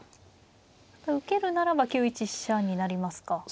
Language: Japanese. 受けるならば９一飛車になりますか。